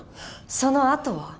そのあとは？